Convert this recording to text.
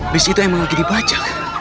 bis itu emang lagi dibaca